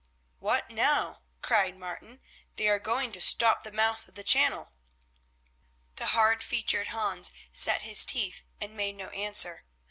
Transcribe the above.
"What now?" cried Martin. "They are going to stop the mouth of the channel." The hard featured Hans set his teeth and made no answer.